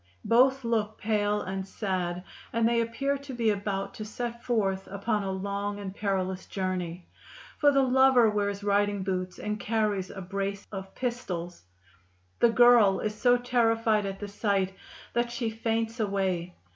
Both look pale and sad, and they appear to be about to set forth upon a long and perilous journey, for the lover wears riding boots and carries a brace of pistols. The girl is so terrified at the sight that she faints away.